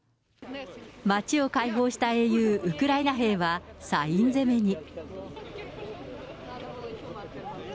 街を解放した英雄、ウクライナ兵は、サイン攻めに。